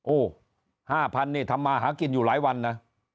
โอ้โห๕๐๐นี่ทำมาหากินอยู่หลายวันนะ